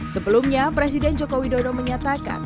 sebelumnya presiden joko widodo menyatakan